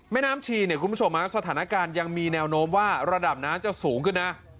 แม่น้ำชีเนี่ยคุณผู้ชมสถานการณ์ยังมีแนวโน้มว่าระดับน้ำจะสูงขึ้นนะ